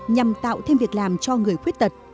nhằm tạo thêm việc làm cho người khuyết tật